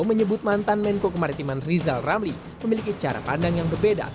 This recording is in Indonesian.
menyebut mantan menko kemaritiman rizal ramli memiliki cara pandang yang berbeda